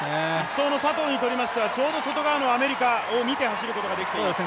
１走の佐藤にとりましてはちょうど外側のアメリカを見て走ることができます。